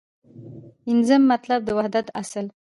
پنځم مطلب : د وحدت اصل